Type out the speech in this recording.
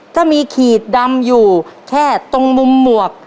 ถ้ามีขีดดำอยู่แค่ตรงมุมหมวก